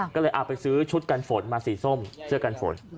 ก็เลยเอาไปซื้อชุดกันฝนมาสีส้มเสื้อกันฝน